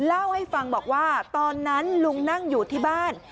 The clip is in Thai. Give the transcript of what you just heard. เล่าให้ฟังบอกว่าตอนนั้นลุงนั่งอยู่ที่บ้าน